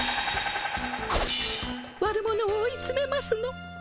悪者を追いつめますの。